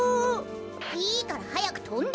いいからはやくとんで！